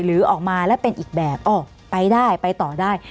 หรือออกมาแล้วเป็นอีกแบบออกไปได้ไปต่อได้